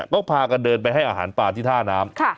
ก็พากันเดินไปให้อาหารปลาที่ท่าน้ำ